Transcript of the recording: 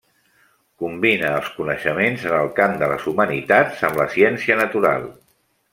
Combina els coneixements en el camp de les humanitats amb la ciència natural.